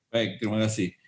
baik terima kasih